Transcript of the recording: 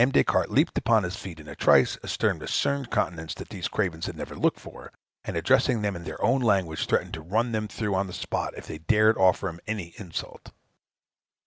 Des Cartes leaped upon his feet in a trice, assumed a stern countenance that these cravens had never looked for, and addressing them in their own language, threatened to run them through on the spot if they dared to offer him any insult."